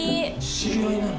知り合いなの？